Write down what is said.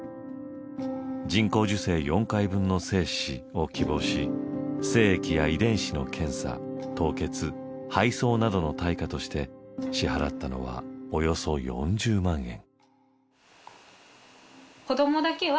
「人工授精４回分の精子」を希望し精液や遺伝子の検査凍結配送などの対価として支払ったのはおよそ４０万円。